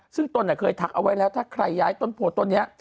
ซึ่งตนเคยทักเอาไว้แล้วถ้าใครย้ายต้นโพต้นนี้